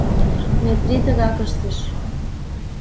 Метрий тыгак ыштыш.